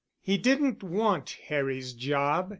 He didn't want Harry's job.